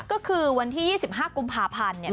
ก็คือวันที่๒๕กุมภาพันธ์เนี่ย